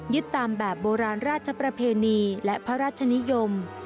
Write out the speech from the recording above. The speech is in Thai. ตามแบบโบราณราชประเพณีและพระราชนิยม